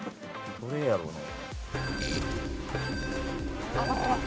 どれやろな？